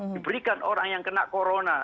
diberikan orang yang kena corona